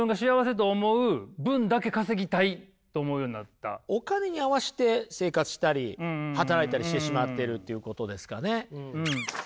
だからえっとお金に合わせて生活したり働いたりしてしまっているっていうことですかね？